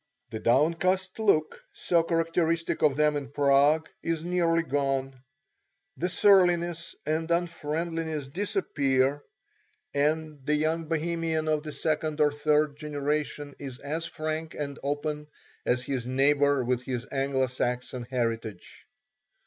The downcast look so characteristic of them in Prague is nearly gone, the surliness and unfriendliness disappear, and the young Bohemian of the second or third generation is as frank and open as his neighbour with his Anglo Saxon heritage.